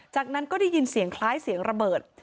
จากนั้นก็ได้ยินเสียงคล้ายเสียงระเบิด